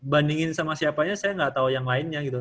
bandingin sama siapanya saya nggak tahu yang lainnya gitu